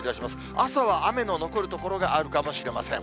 朝は雨の残る所があるかもしれません。